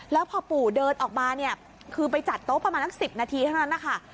แล้วพอปู่เดินออกมาเนี่ยคือไปจัดโต๊ะประมาณนัก๑๐นาทีเท่านั้นนะคะ